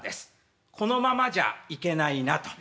「このままじゃいけないな」と。